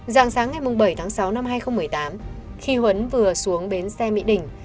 dạng sáng ngày bảy tháng sáu năm hai nghìn một mươi tám khi huấn vừa xuống bến xe mỹ đình